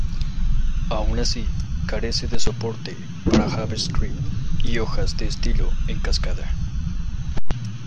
Aun así, carece de soporte para JavaScript y hojas de estilo en cascada.